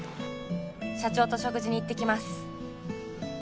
「社長と食事に行ってきます！」